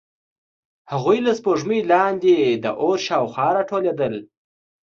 هغوی له سپوږمۍ لاندې د اور شاوخوا راټولېدل.